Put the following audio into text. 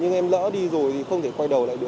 nhưng em lỡ đi rồi thì không thể quay đầu lại nữa